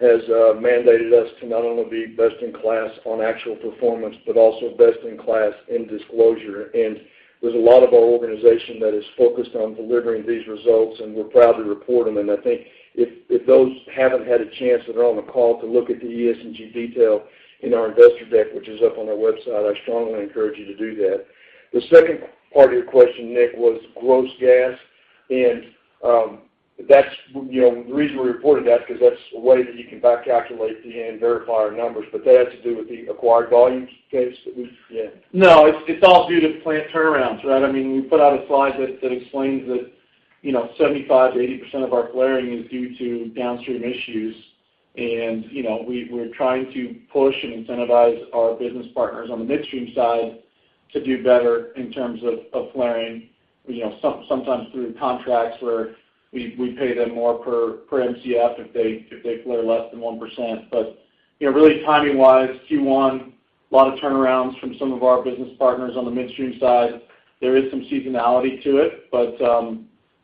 [SPEAKER 3] mandated us to not only be best in class on actual performance, but also best in class in disclosure. There's a lot of our organization that is focused on delivering these results, and we're proud to report them. I think if those haven't had a chance that are on the call to look at the ESG detail in our investor deck, which is up on our website, I strongly encourage you to do that. The second part of your question, Nick, was gross gas. That's, you know, the reason we reported that, 'cause that's a way that you can back calculate and verify our numbers, but that has to do with the acquired volumes, Kaes Van't Hof, that we.
[SPEAKER 5] No, it's all due to plant turnarounds, right? I mean, we put out a slide that explains that, you know, 75%-80% of our flaring is due to downstream issues. You know, we're trying to push and incentivize our business partners on the midstream side to do better in terms of flaring, you know, sometimes through contracts where we pay them more per MCF if they flare less than 1%. You know, really timing wise, Q1, a lot of turnarounds from some of our business partners on the midstream side. There is some seasonality to it, but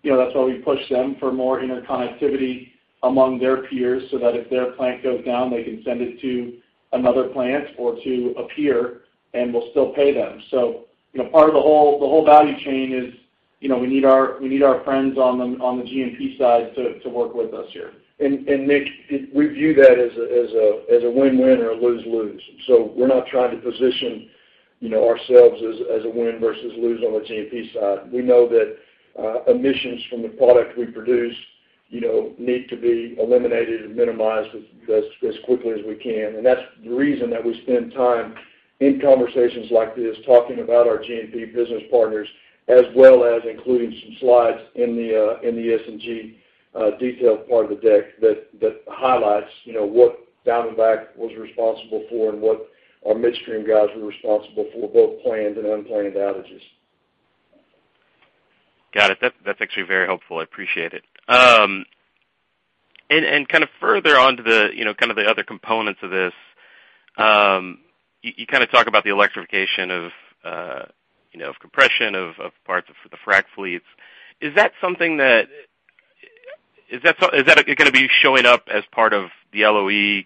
[SPEAKER 5] you know, that's why we push them for more interconnectivity among their peers so that if their plant goes down, they can send it to another plant or to a peer, and we'll still pay them. You know, part of the whole value chain is, you know, we need our friends on the G&P side to work with us here.
[SPEAKER 3] Nick, we view that as a win-win or a lose-lose. We're not trying to position, you know, ourselves as a win versus lose on the G&P side. We know that emissions from the product we produce, you know, need to be eliminated and minimized as quickly as we can. That's the reason that we spend time in conversations like this, talking about our G&P business partners, as well as including some slides in the ESG detailed part of the deck that highlights, you know, what Diamondback was responsible for and what our midstream guys were responsible for, both planned and unplanned outages.
[SPEAKER 13] Got it. That's actually very helpful. I appreciate it. Kind of further onto the, you know, kind of the other components of this, you kind of talk about the electrification of, you know, of compression, of parts of the frack fleets. Is that something that is that gonna be showing up as part of the LOE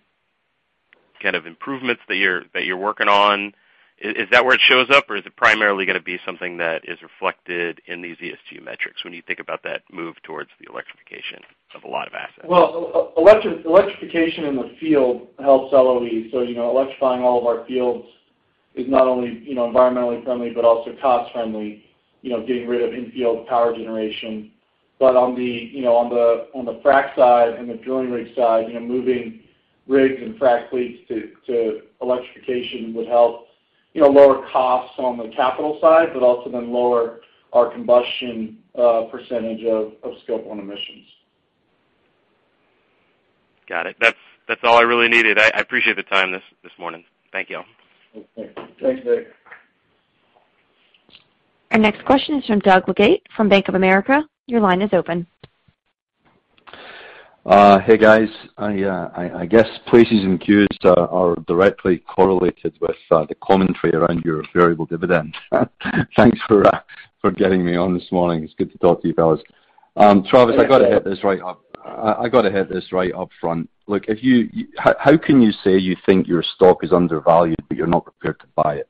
[SPEAKER 13] kind of improvements that you're working on? Is that where it shows up, or is it primarily gonna be something that is reflected in these ESG metrics when you think about that move towards the electrification of a lot of assets?
[SPEAKER 5] Well, electrification in the field helps LOE. You know, electrifying all of our fields is not only, you know, environmentally friendly, but also cost friendly, you know, getting rid of in-field power generation. On the frack side and the drilling rig side, you know, moving rigs and frack fleets to electrification would help, you know, lower costs on the capital side, but also then lower our combustion percentage of Scope 1 emissions.
[SPEAKER 13] Got it. That's all I really needed. I appreciate the time this morning. Thank y'all.
[SPEAKER 3] Okay. Thanks, Nick.
[SPEAKER 1] Our next question is from Doug Leggate from Bank of America. Your line is open.
[SPEAKER 14] Hey, guys. I guess P/E's and Q's are directly correlated with the commentary around your variable dividend. Thanks for getting me on this morning. It's good to talk to you fellows. Travis.
[SPEAKER 3] Hey, Doug.
[SPEAKER 14] I gotta hit this right up front. Look, how can you say you think your stock is undervalued but you're not prepared to buy it?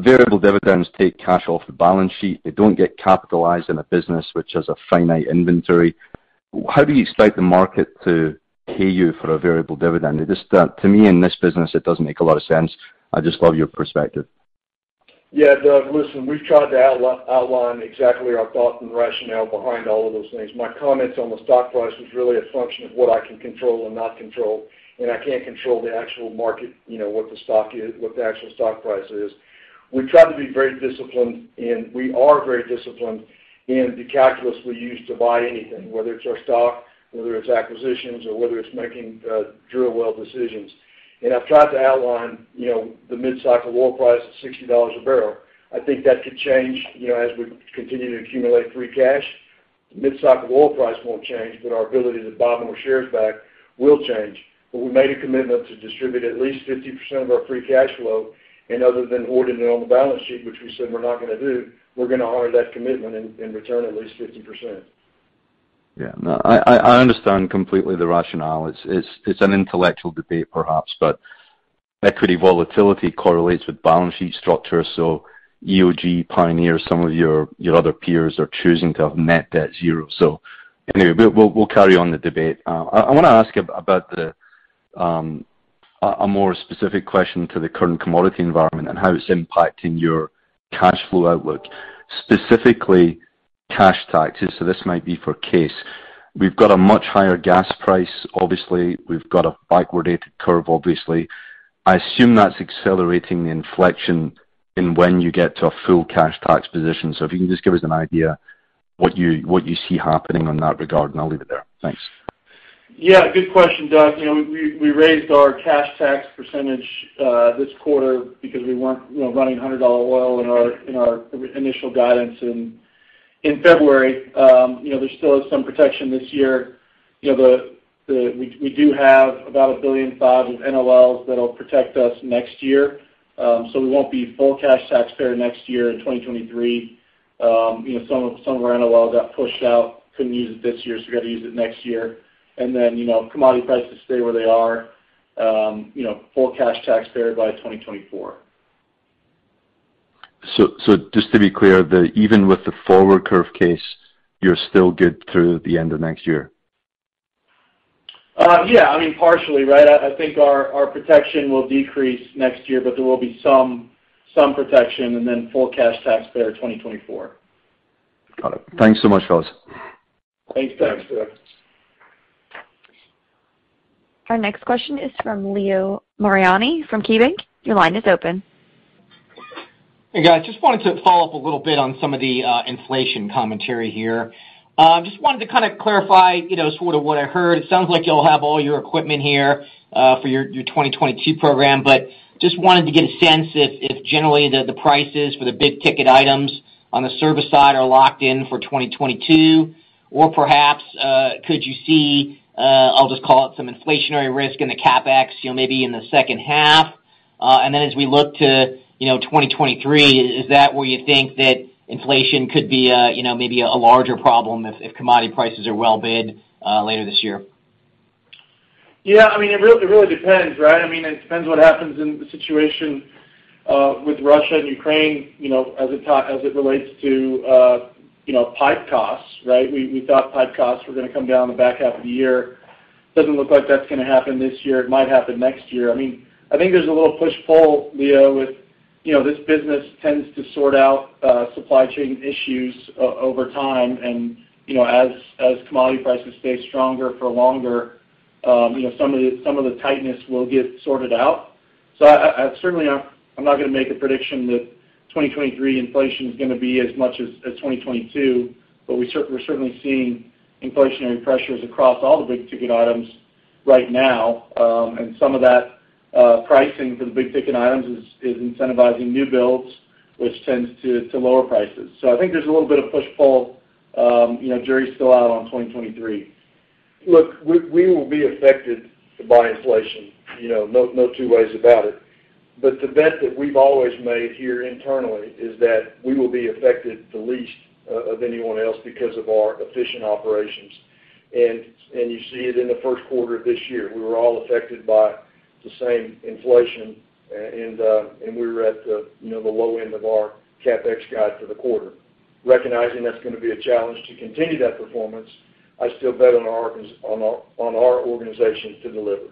[SPEAKER 14] Variable dividends take cash off the balance sheet. They don't get capitalized in a business which has a finite inventory. How do you expect the market to pay you for a variable dividend? It is, to me, in this business, it doesn't make a lot of sense. I'd just love your perspective.
[SPEAKER 3] Yeah. Doug, listen, we've tried to outline exactly our thoughts and rationale behind all of those things. My comments on the stock price was really a function of what I can control and not control, and I can't control the actual market, you know, what the stock is, what the actual stock price is. We try to be very disciplined, and we are very disciplined in the calculus we use to buy anything, whether it's our stock, whether it's acquisitions, or whether it's making, drill well decisions. I've tried to outline, you know, the mid-cycle oil price at $60 a barrel. I think that could change, you know, as we continue to accumulate free cash. Mid-cycle oil price won't change, but our ability to buy more shares back will change. We made a commitment to distribute at least 50% of our free cash flow, and other than holding it on the balance sheet, which we said we're not gonna do, we're gonna honor that commitment and return at least 50%.
[SPEAKER 14] Yeah. No, I understand completely the rationale. It's an intellectual debate perhaps, but equity volatility correlates with balance sheet structure. EOG, Pioneer, some of your other peers are choosing to have net debt zero. Anyway, we'll carry on the debate. I wanna ask about a more specific question about the current commodity environment and how it's impacting your cash flow outlook, specifically cash taxes. This might be for Kaes Van't Hof. We've got a much higher gas price. Obviously, we've got a backwardated curve, obviously. I assume that's accelerating the inflection in when you get to a full cash tax position. If you can just give us an idea what you see happening in that regard, and I'll leave it there. Thanks.
[SPEAKER 5] Yeah, good question, Doug. You know, we raised our cash tax percentage this quarter because we weren't you know running $100 oil in our initial guidance in February. You know, there still is some protection this year. You know, we do have about $1.5 billion of NOLs that'll protect us next year. We won't be full cash taxpayer next year in 2023. You know, some of our NOL got pushed out, couldn't use it this year, so we got to use it next year. You know, commodity prices stay where they are, you know, full cash taxpayer by 2024.
[SPEAKER 14] Just to be clear, even with the forward curve, Kaes Van't Hof, you're still good through the end of next year?
[SPEAKER 5] Yeah. I mean, partially, right? I think our protection will decrease next year, but there will be some protection, and then full cash taxpayer, 2024.
[SPEAKER 14] Got it. Thanks so much, fellas.
[SPEAKER 3] Thanks, Doug.
[SPEAKER 5] Thanks, Doug.
[SPEAKER 1] Our next question is from Leo Mariani from KeyBank. Your line is open.
[SPEAKER 15] Hey, guys. Just wanted to follow up a little bit on some of the inflation commentary here. Just wanted to kind of clarify, you know, sort of what I heard. It sounds like y'all have all your equipment here for your 2022 program. Just wanted to get a sense if generally the prices for the big ticket items on the service side are locked in for 2022. Perhaps could you see, I'll just call it some inflationary risk in the CapEx, you know, maybe in the second half? Then as we look to, you know, 2023, is that where you think that inflation could be, you know, maybe a larger problem if commodity prices are well bid later this year?
[SPEAKER 5] Yeah. I mean, it really depends, right? I mean, it depends what happens in the situation with Russia and Ukraine, you know, as it relates to, you know, pipe costs, right? We thought pipe costs were gonna come down the back half of the year. Doesn't look like that's gonna happen this year. It might happen next year. I mean, I think there's a little push-pull, Leo, with, you know, this business tends to sort out supply chain issues over time. You know, as commodity prices stay stronger for longer, you know, some of the tightness will get sorted out. I certainly I'm not gonna make a prediction that 2023 inflation is gonna be as much as 2022, but we're certainly seeing inflationary pressures across all the big ticket items right now. And some of that pricing for the big ticket items is incentivizing new builds, which tends to lower prices. I think there's a little bit of push-pull, you know, jury's still out on 2023.
[SPEAKER 3] Look, we will be affected by inflation, you know, no two ways about it. The bet that we've always made here internally is that we will be affected the least of anyone else because of our efficient operations. You see it in the first quarter of this year. We were all affected by the same inflation and we were at the, you know, low end of our CapEx guide for the quarter. Recognizing that's gonna be a challenge to continue that performance, I still bet on our organization to deliver.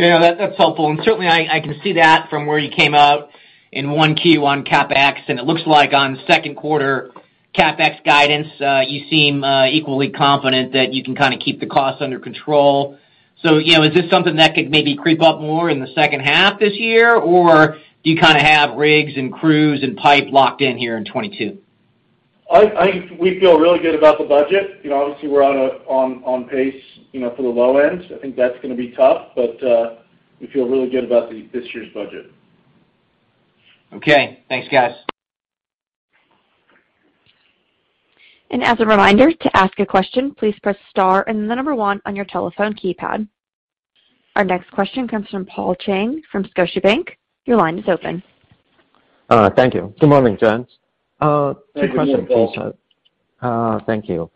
[SPEAKER 15] Okay. No, that's helpful. Certainly, I can see that from where you came out in 1Q on CapEx. It looks like on second quarter CapEx guidance, you seem equally confident that you can kind of keep the costs under control. You know, is this something that could maybe creep up more in the second half this year, or do you kind of have rigs and crews and pipe locked in here in 2022?
[SPEAKER 5] We feel really good about the budget. You know, obviously, we're on pace, you know, for the low end. I think that's gonna be tough, but we feel really good about this year's budget.
[SPEAKER 15] Okay. Thanks, guys.
[SPEAKER 1] As a reminder, to ask a question, please press star and the number one on your telephone keypad. Our next question comes from Paul Cheng from Scotiabank. Your line is open.
[SPEAKER 16] Thank you. Good morning, gents. Two questions please.
[SPEAKER 5] Good morning, Paul.
[SPEAKER 16] Thank you.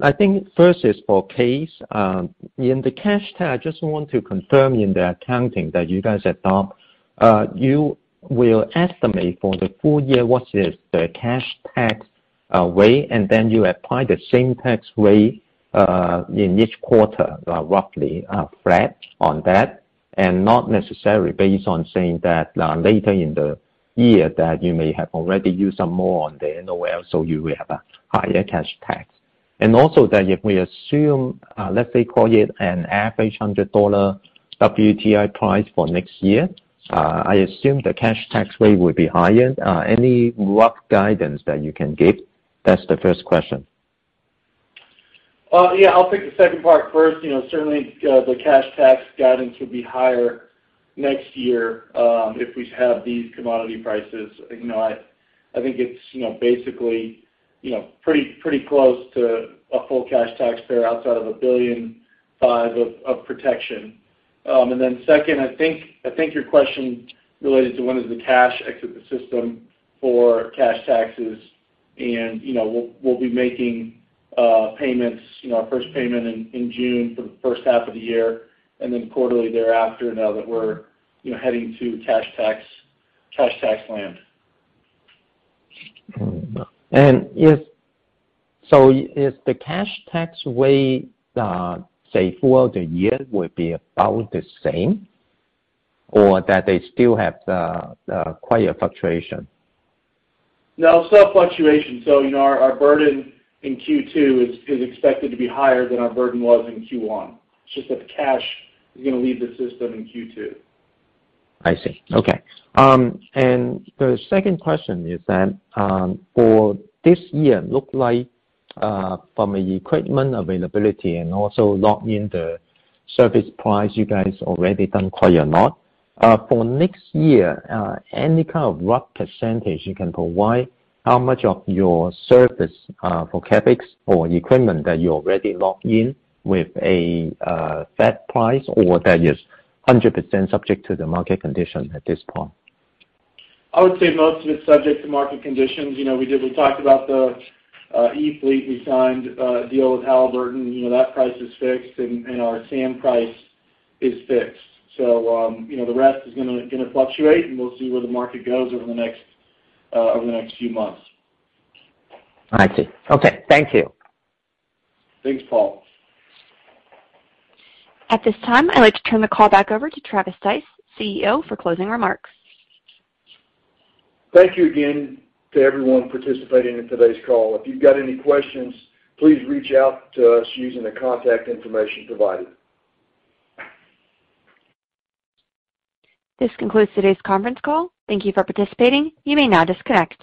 [SPEAKER 16] I think first is for Kaes Van't Hof. In the cash tab, I just want to confirm in the accounting that you guys adopt, you will estimate for the full year what is the cash tax rate, and then you apply the same tax rate in each quarter, roughly, flat on that, and not necessarily based on saying that, later in the year that you may have already used some more on the NOL, so you will have a higher cash tax. Also that if we assume, let's say call it an average $100 WTI price for next year, I assume the cash tax rate will be higher. Any rough guidance that you can give? That's the first question.
[SPEAKER 5] Yeah. I'll take the second part first. You know, certainly, the cash tax guidance will be higher next year, if we have these commodity prices. You know, I think it's, you know, basically, you know, pretty close to a full cash tax payer outside of $1.5 billion of protection. Then second, I think your question relates to when the cash exits the system for cash taxes. You know, we'll be making payments, you know, our first payment in June for the first half of the year, and then quarterly thereafter now that we're, you know, heading to cash tax land.
[SPEAKER 16] Is the cash tax rate, say, throughout the year will be about the same or that they still have the quite a fluctuation?
[SPEAKER 5] No, still fluctuation. You know, our burden in Q2 is expected to be higher than our burden was in Q1. It's just that the cash is gonna leave the system in Q2.
[SPEAKER 16] I see. Okay. The second question is then for this year look like from a equipment availability and also lock in the service price you guys already done quite a lot. For next year, any kind of rough percentage you can provide how much of your service for CapEx or equipment that you already locked in with a set price or that is 100% subject to the market condition at this point?
[SPEAKER 5] I would say most of it's subject to market conditions. You know, we talked about the E-fleet. We signed a deal with Halliburton. You know, that price is fixed and our sand price is fixed. You know, the rest is gonna fluctuate, and we'll see where the market goes over the next few months.
[SPEAKER 16] I see. Okay. Thank you.
[SPEAKER 5] Thanks, Paul.
[SPEAKER 1] At this time, I'd like to turn the call back over to Travis Stice, CEO, for closing remarks.
[SPEAKER 3] Thank you again to everyone participating in today's call. If you've got any questions, please reach out to us using the contact information provided.
[SPEAKER 1] This concludes today's conference call. Thank you for participating. You may now disconnect.